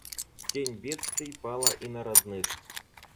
Тень бедствий пала и на родных.